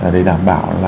để đảm bảo